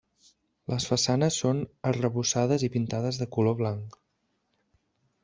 Les façanes són arrebossades i pintades de color blanc.